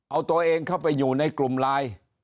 เอาตัวเองเข้าไปอยู่ในกลุ่มไลน์